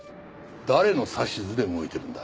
誰の指図で動いてるんだ？